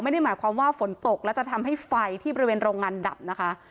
ไม่ได้หมายความว่าฝนตกและจะทำให้ไฟที่บริเวณโรงงานดับนะคะ